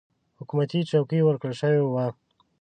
حکومتي چوکۍ ورکړه شوې وه.